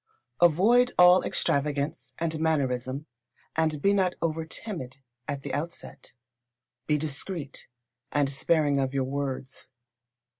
Avoid all extravagance and mannerism, and be not over timid at the outset. Be discreet and sparing of your words.